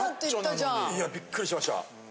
いやビックリしました。